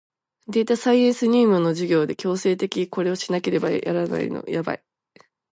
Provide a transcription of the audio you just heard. データサイエンス入門の授業で強制的にこれをしなければいけないのやばい